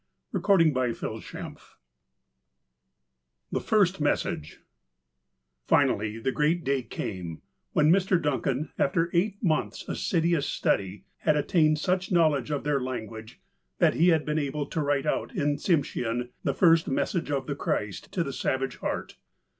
XVII THE FIRST MESSAGE FINALLY, the great day came, when Mr. Duncan, after eight months' assiduous study, had attained such knowledge of their language that he had been able to write out in Tsimshean the first message of the Christ to the savage heart.